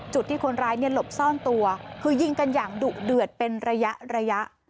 จุดที่คนร้ายหลบซ่อนตัวคือยิงกันอย่างดุเดือดเป็นระยะระยะ